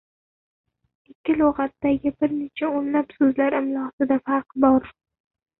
Ikki lug‘atdagi bir necha o‘nlab so‘zlar imlosida farq bor.